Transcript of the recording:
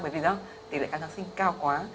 bởi vì tỷ lệ kháng kháng sinh cao quá